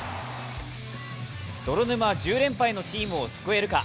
泥沼１０連敗のチームを救えるか。